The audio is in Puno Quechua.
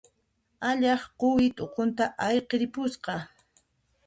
Allaq quwi t'uqunta ayqiripusqa.